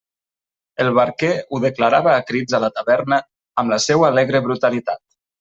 El barquer ho declarava a crits a la taverna amb la seua alegre brutalitat.